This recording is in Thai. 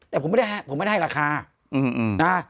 แต่ผมไม่ได้ให้ราคา